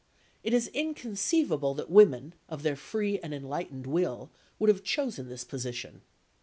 It is inconceivable that women, of their free and enlightened will, would have chosen this position.